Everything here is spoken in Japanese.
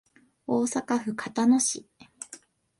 大阪府交野市